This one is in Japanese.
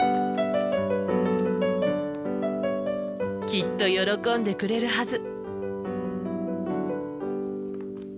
きっと喜んでくれるはず。